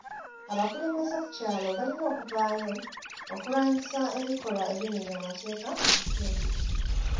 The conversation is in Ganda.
Abakulembeze ku kyalo balina okuvaayo okulwanyisa ebikolwa ebimenya amateeka mu kitundu.